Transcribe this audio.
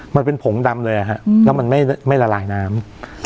มันเป็นผงดำเลยแล้วมันไม่ละลายน้ำ